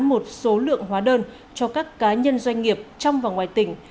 một số lượng hóa đơn cho các cá nhân doanh nghiệp trong và ngoài tỉnh